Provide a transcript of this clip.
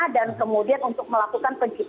dan kemudian untuk melakukan penjualan